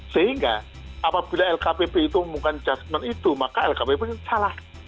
sehingga apabila lkpp itu bukan adjustment itu maka lkpp itu salah